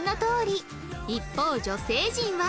一方女性陣は